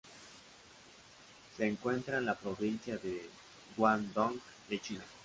Se encuentra en la provincia de Guangdong de China.